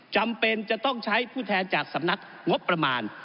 จำเป็นจะต้องใช้ผู้แทนจากสำนักงบประมาณ